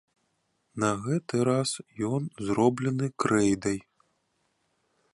На гэты раз ён зроблены крэйдай.